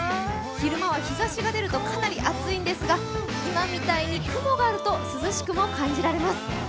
昼間は日ざしが出るとかなり暑いんですが、今みたいに雲があるとかなり涼しく感じます。